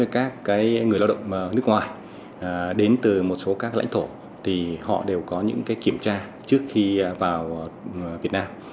các người lao động nước ngoài đến từ một số các lãnh thổ thì họ đều có những kiểm tra trước khi vào việt nam